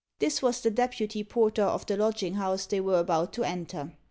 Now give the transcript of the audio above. This was the deputy porter of the lodging house they were about to enter.